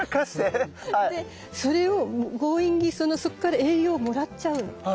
でそれを強引にそっから栄養をもらっちゃうの。